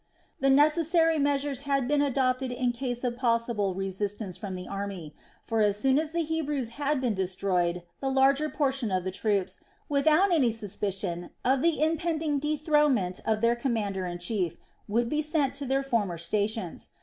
The necessary measures had been adopted in case of possible resistance from the army; for as soon as the Hebrews had been destroyed, the larger portion of the troops, without any suspicion of the impending dethronement of their commander in chief, would be sent to their former stations.